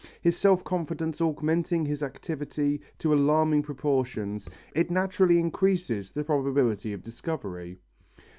His self confidence augmenting his activity to alarming proportions, it naturally increases the probability of discovery.